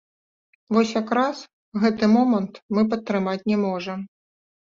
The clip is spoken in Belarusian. Вось як раз гэты момант мы падтрымаць не можам.